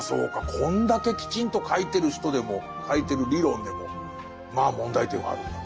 こんだけきちんと書いてる人でも書いてる理論でもまあ問題点はあるんだと。